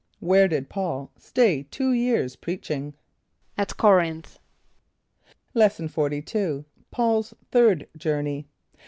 = Where did P[a:]ul stay two years, preaching? =At C[)o]r´inth.= Lesson XLII. Paul's Third journey.